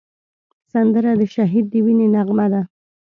سندره د شهید د وینې نغمه ده